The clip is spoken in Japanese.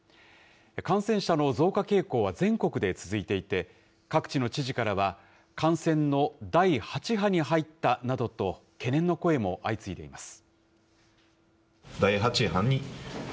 感染者の増加傾向は全国で続いていて、各地の知事からは、感染の第８波に入ったなどと、懸念の声も相次いでいます。